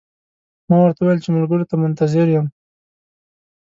ما ورته وویل چې ملګرو ته منتظر یم.